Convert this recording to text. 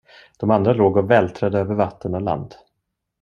De andra låg och vältrade över vatten och land.